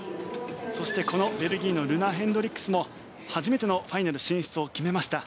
そして、このベルギーのルナ・ヘンドリックスも初めてのファイナル進出を決めました。